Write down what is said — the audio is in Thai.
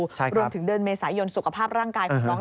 รวมถึงเดือนเมษายนสุขภาพร่างกายของน้อง